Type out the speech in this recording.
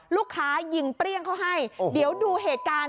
ลูกค้ายิงเปรี้ยงเขาให้เดี๋ยวดูเหตุการณ์